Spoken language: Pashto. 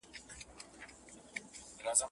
خدای دي نه کوي چي بیا د توري شرنګ سي